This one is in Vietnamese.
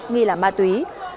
nghi là ma túy